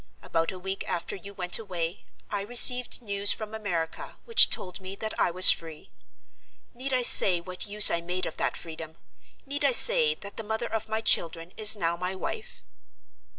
About a week after you went away, I received news from America which told me that I was free. Need I say what use I made of that freedom? Need I say that the mother of my children is now my Wife?